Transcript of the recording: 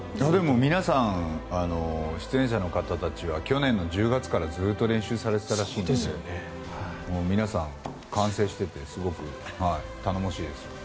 皆さん、出演者の方たちは去年の１０月からずっと練習されていたらしいんで皆さん完成していてすごく頼もしいです。